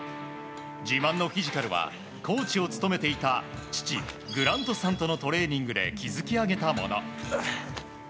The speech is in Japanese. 自慢のフィジカルはコーチを務めていた父グラントさんとのトレーニングで築き上げたもの。